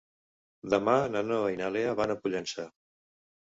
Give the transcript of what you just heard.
Demà na Noa i na Lea van a Pollença.